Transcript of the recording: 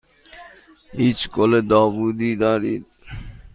هیچ گل داوودی دارید؟